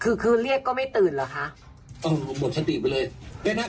คือคือเรียกก็ไม่ตื่นเหรอคะต้องหมดสติไปเลยได้ไหม